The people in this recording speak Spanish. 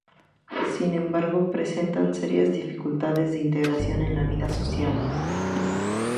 Sin embargo, presentan serias dificultades de integración en la vida social.